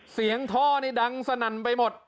เสียงท่อนี้ดังสนั่นไปหมด